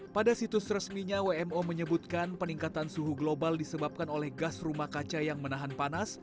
pada situs resminya wmo menyebutkan peningkatan suhu global disebabkan oleh gas rumah kaca yang menahan panas